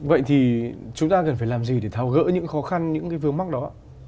vậy thì chúng ta cần phải làm gì để thao gỡ những khó khăn những cái vướng mắc đó